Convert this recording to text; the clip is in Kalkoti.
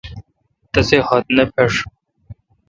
تسےخط نے پھݭ۔